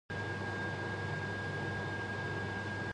I think the big studios are a con.